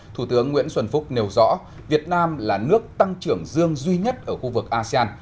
thủ tướng nguyễn xuân phúc nêu rõ việt nam là nước tăng trưởng dương duy nhất ở khu vực asean